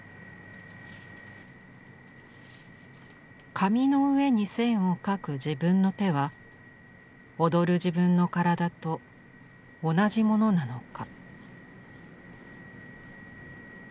紙の上に線を描く自分の手は踊る自分の身体と同じものなのか？